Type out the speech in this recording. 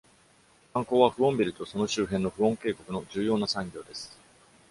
観光は、フオンビルとその周辺のフオン渓谷の重要な産業です。